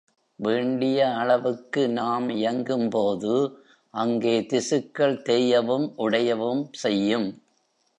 வேண்டிய அளவுக்கு நாம் இயக்கும்போது, அங்கே திசுக்கள் தேயவும் உடையவும் செய்யும்.